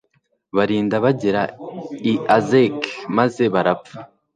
barinda bagera i azeki, maze barapfa